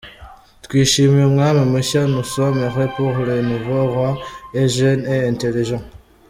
Twishimiye Umwami mushya Nous sommes heureux pour le nouveau roi est jeune et intelligent